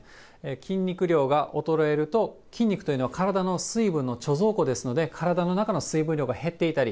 筋肉量が衰えると、筋肉というのは、体の水分の貯蔵庫ですので、体の中の水分量が減っていたり、